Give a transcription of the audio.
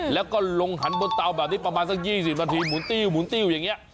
แล้วก็ลงหันบนเตาแบบนี้ประมาณสัก๒๐นาทีหมุนติ้วหมุนติ้วอย่างนี้